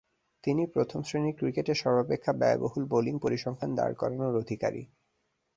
তিনি প্রথম-শ্রেণীর ক্রিকেটে সর্বাপেক্ষা ব্যয়বহুল বোলিং পরিসংখ্যান দাঁড় করানোর অধিকারী।